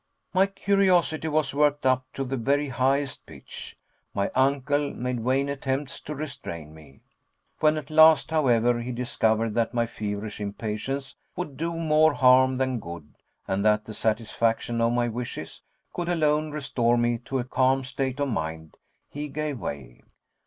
My curiosity was worked up to the very highest pitch. My uncle made vain attempts to restrain me. When at last, however, he discovered that my feverish impatience would do more harm than good and that the satisfaction of my wishes could alone restore me to a calm state of mind he gave way.